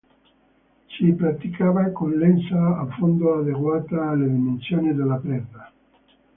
Si praticava con lenza a fondo adeguata alle dimensioni della preda.